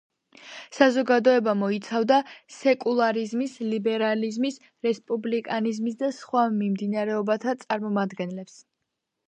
საზოგადოება მოიცავდა სეკულარიზმის, ლიბერალიზმის, რესპუბლიკანიზმის და სხვა მიმდინარეობათა წარმომადგენლებს.